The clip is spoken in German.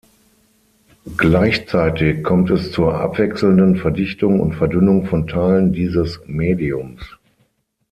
Gleichzeitig kommt es zur abwechselnden Verdichtung und Verdünnung von Teilen dieses Mediums.